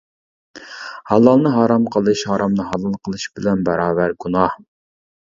ھالالنى ھارام قىلىش ھارامنى ھالال قىلىش بىلەن باراۋەر گۇناھ!